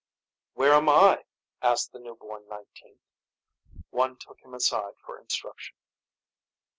"Where am I?" asked the newborn nineteenth. One took him aside for instruction.